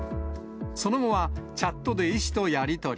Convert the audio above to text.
その後は、チャットで医師とやり取り。